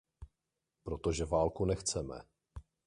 Protože válku nechceme.